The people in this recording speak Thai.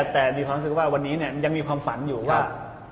แต่มีความรู้สึกว่าวันนี้ยังมีความฝันอยู่ว่า